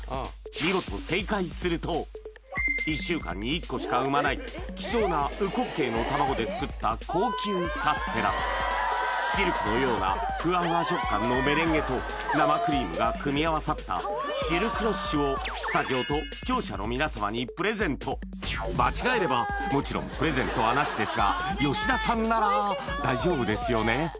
見事正解すると１週間に１個しか産まない希少な烏骨鶏の卵で作った高級カステラシルクのようなフワフワ食感のメレンゲと生クリームが組み合わさったシルクロッシュをスタジオと視聴者の皆様にプレゼント間違えればもちろんプレゼントはなしですが吉田さんなら大丈夫ですよね？